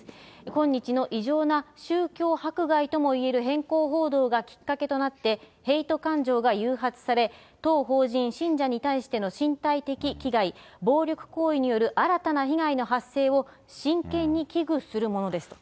今日の異常な宗教迫害ともいえる偏向報道がきっかけとなって、ヘイト感情が誘発され、当法人信者に対しての身体的危害、暴力行為による新たな被害の発生を真剣に危惧するものですと。